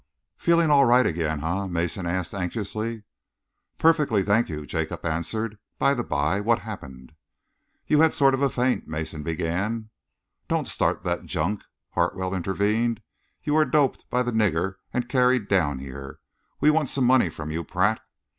"Feeling all right again, eh?" Mason asked anxiously. "Perfectly, thank you," Jacob answered. "By the bye, what happened?" "You er had a sort of faint," Mason began "Don't start that junk," Hartwell intervened. "You were doped by the nigger and carried down here. We want some money from you, Pratt."